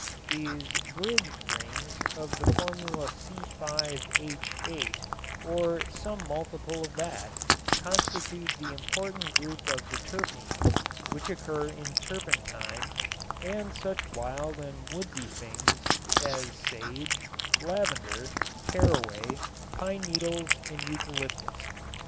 These "bridged rings" of the formula C_H_, or some multiple of that, constitute the important group of the terpenes which occur in turpentine and such wild and woodsy things as sage, lavender, caraway, pine needles and eucalyptus.